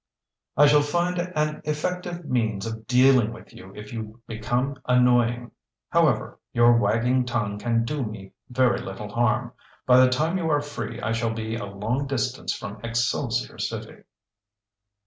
"I shall find an effective means of dealing with you if you become annoying. However, your wagging tongue can do me very little harm. By the time you are free I shall be a long distance from Excelsior City."